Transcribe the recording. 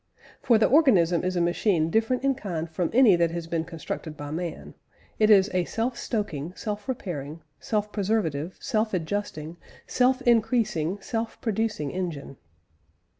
For the organism is a machine different in kind from any that has been constructed by man; it is "a self stoking, self repairing, self preservative, self adjusting, self increasing, self producing engine."